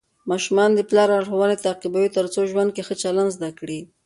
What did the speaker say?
ماشومان د پلار لارښوونې تعقیبوي ترڅو ژوند کې ښه چلند زده کړي.